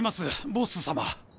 ボッス様。